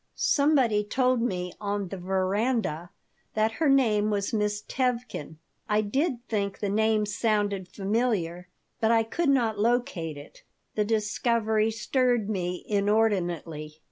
Somebody told me on the veranda that her name was Miss Tevkin. I did think the name sounded familiar, but I could not locate it." The discovery stirred me inordinately.